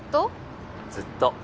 ・ずっと。